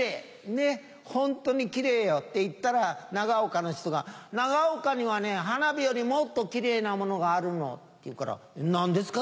ねっホントにキレイよって言ったら長岡の人が「長岡にはね花火よりもっとキレイなものがあるの」って言うから何ですか？